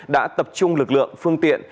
đã tập trung lực lượng phương tiện